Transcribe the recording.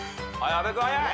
阿部君早い。